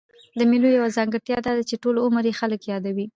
د مېلو یوه ځانګړتیا دا ده، چي ټول عمر ئې خلک يادوي.